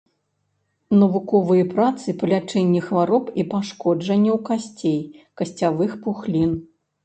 Навуковыя працы па лячэнні хвароб і пашкоджанняў касцей, касцявых пухлін.